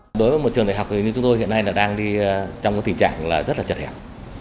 đối với một trường đại học thì như chúng tôi hiện nay đang đi trong tình trạng là rất là chật hẹp